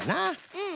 うん。